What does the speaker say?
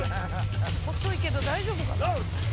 細いけど大丈夫かな？